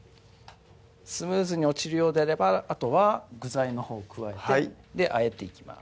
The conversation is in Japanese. スムーズに落ちるようであればあとは具材のほうを加えて和えていきます